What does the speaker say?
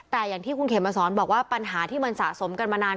แต่อย่างที่คุณเขมมาสอนบอกว่าปัญหาที่มันสะสมกันมานาน